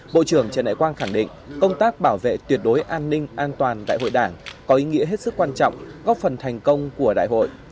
bộ trưởng trần đại quang khẳng định công tác bảo vệ tuyệt đối an ninh an toàn đại hội đảng có ý nghĩa hết sức quan trọng góp phần thành công của đại hội